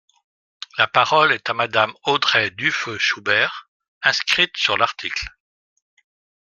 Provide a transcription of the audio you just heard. La parole est à Madame Audrey Dufeu Schubert, inscrite sur l’article.